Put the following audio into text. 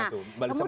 nah kemudian yang